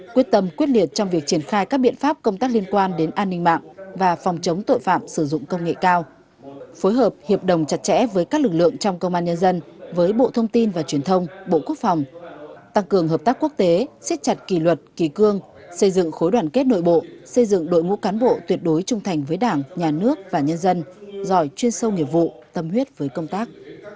quyết tâm quyết liệt trong việc triển khai các biện pháp công tác liên quan đến an ninh mạng và phòng chống tội phạm sử dụng công nghệ cao phối hợp hiệp đồng chặt chẽ với các lực lượng trong công an nhân dân với bộ thông tin và truyền thông bộ quốc phòng tăng cường hợp tác quốc tế xếp chặt kỳ luật kỳ cương xây dựng khối đoàn kết nội bộ xây dựng đội ngũ cán bộ tuyệt đối trung thành với đảng nhà nước và nhân dân giỏi chuyên sâu nghiệp vụ tâm huyết với công tác